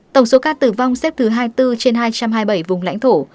tổng số ca tử vong xếp thứ hai mươi bốn trên hai trăm hai mươi bảy vùng lãnh thổ